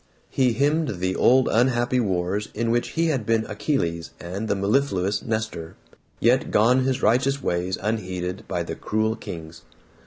He hymned the old unhappy wars in which he had been Achilles and the mellifluous Nestor, yet gone his righteous ways unheeded by the cruel kings.